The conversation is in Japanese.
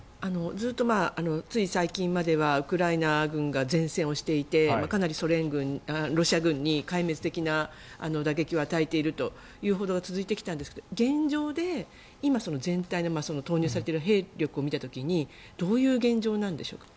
ずっと、つい最近まではウクライナ軍が善戦をしていてかなりロシア軍に壊滅的な打撃を与えているという報道が続いてきたんですが現状で今、全体の投入されている兵力を見た時にどういう現状なんでしょうか。